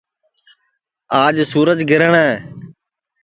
آج سُورج گرہٹؔ ہے